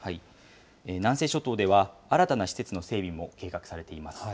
南西諸島では、新たな施設の整備も計画されています。